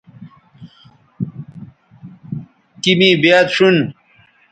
تی می بیاد شون